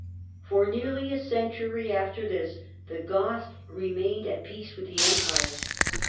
For nearly a century after this the Goths remained at peace with the Empire.